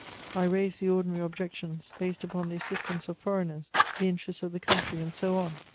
I raised the ordinary objections based upon the assistance of foreigners, the interests of the country, and so on.